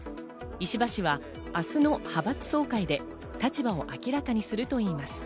石破氏は明日の派閥総会で立場を明らかにするといいます。